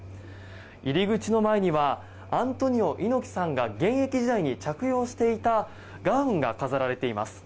入り口の前にはアントニオ猪木さんが現役時代に着用していたガウンが飾られています。